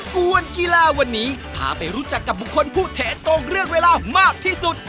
กวนกีฬาวันนี้พาไปรู้จักกับบุคคลผู้แทนโกงเรื่องเวลามากที่สุด